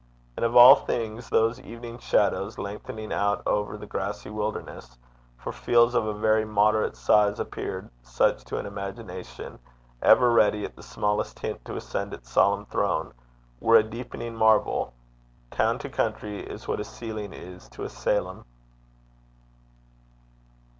And of all things those evening shadows lengthening out over the grassy wildernesses for fields of a very moderate size appeared such to an imagination ever ready at the smallest hint to ascend its solemn throne were a deepening marvel. Town to country is what a ceiling is to a cælum.